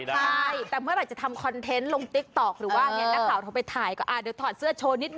ใช่แต่เมื่อไหร่จะทำคอนเทนต์ลงติ๊กต๊อกหรือว่าเนี่ยนักข่าวโทรไปถ่ายก็เดี๋ยวถอดเสื้อโชว์นิดนึ